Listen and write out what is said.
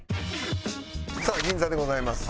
さあ銀座でございます。